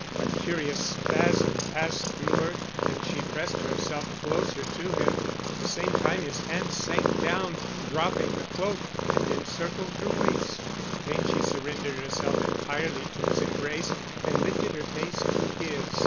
A curious spasm passed through her, and she pressed herself closer to him; at the same time his hands sank down, dropping the cloak, and encircled her waist. Then she surrendered herself entirely to his embrace and lifted her face to his.